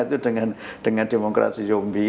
itu dengan demokrasi yombi